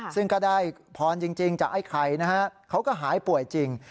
ซึ่งก็ได้พรจริงจากไอ้ไข่นะฮะเขาก็หายป่วยจริง